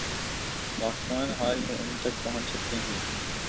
واقفان حال ہی ان تک پہنچ سکتے ہیں۔